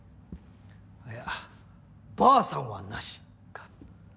いやばあさんはなしか。